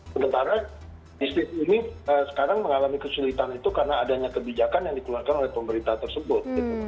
sementara bisnis ini sekarang mengalami kesulitan itu karena adanya kebijakan yang dikeluarkan oleh pemerintah tersebut